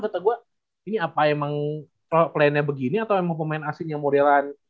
kata gue ini apa emang playernya begini atau emang pemain asingnya modelan